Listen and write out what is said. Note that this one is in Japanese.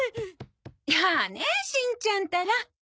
やねえしんちゃんったら。